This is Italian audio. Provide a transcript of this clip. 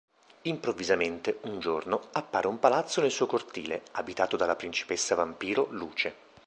Improvvisamente, un giorno, appare un palazzo nel suo cortile, abitato dalla principessa vampiro Luce.